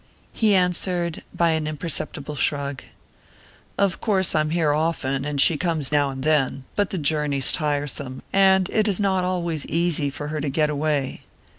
He answered by an imperceptible shrug. "Of course I'm here often; and she comes now and then. But the journey's tiresome, and it is not always easy for her to get away."